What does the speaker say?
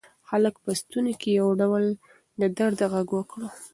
هلک په ستوني کې یو ډول د درد غږ وکړ.